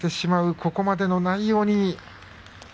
ここまでの内容